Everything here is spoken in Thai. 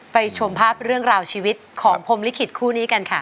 ชมภาพเรื่องราวชีวิตของพรมลิขิตคู่นี้กันค่ะ